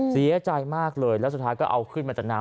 เสียใจมากเลยแล้วสุดท้ายก็เอาขึ้นมาจากน้ำ